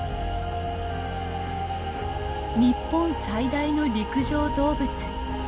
日本最大の陸上動物。